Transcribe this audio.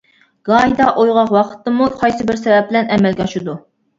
گاھىدا ئويغاق ۋاقىتتىمۇ قايسى بىر سەۋەب بىلەن ئەمەلگە ئاشىدۇ.